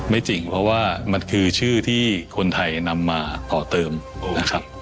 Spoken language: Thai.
ไม่จริงเพราะว่ามันคือชื่อที่คนไทยนำมาต่อเติมนะครับ